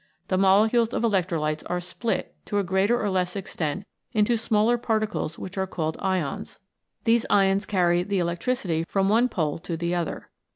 The molecules of electrolytes are split, to a greater or less extent, into smaller particles which are called Ions. These ions carry the electricity from one pole to the other.